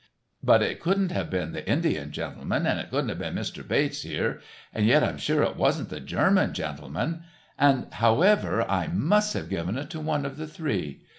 "But it couldn't have been the Indian gentleman, and it couldn't have been Mr. Bates here, and yet I'm sure it wasn't the German gentleman, and, however, I must have given it to one of the three.